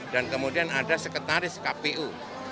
dan kemudian ada sekretaris kpu